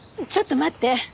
ちょっと待って！